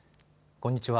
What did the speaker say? こんにちは。